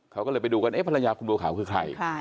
เขาก็เลยไปดูกันภรรยาคุณบัวขาวคือใคร